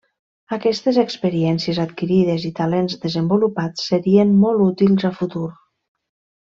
Aquestes experiències adquirides i talents desenvolupats serien molt útils a futur.